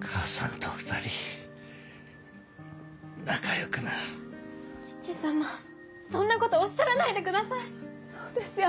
母さんと２人仲良くな父様そんなことおっしゃらないでくそうですよ